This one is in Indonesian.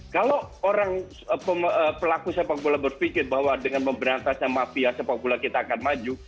kalau pelaku sepak bola berpikir bahwa dengan memberantasnya mafia sepak bola kita akan maju